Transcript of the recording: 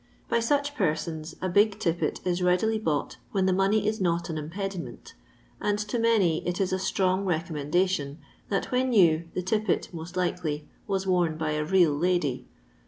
By such persons a big tip pet is readily bought when the money is not an impediment, and to many it is a strong reeom iBendation^ that 'when new, the tippet, most likely, wai worn by a real lady.